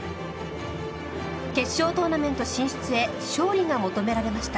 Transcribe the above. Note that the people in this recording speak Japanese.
決勝トーナメント進出へ勝利が求められました。